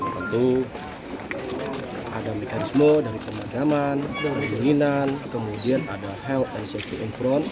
tentu ada mekanisme dari pemadaman penyelinan kemudian ada health and safety in front